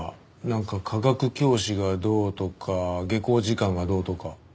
なんか化学教師がどうとか下校時間がどうとか。